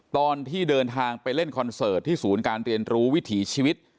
ตอนที่เดินทางไปเล่นคอนเสิร์ตที่ศูนย์การเรียนรู้วิถีชีวิต